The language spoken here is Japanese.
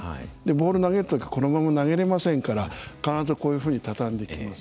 ボール投げる時このまま投げれませんから必ずこういうふうに畳んでいきます。